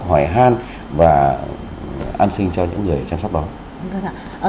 hoài han và an sinh cho những người chăm sóc đó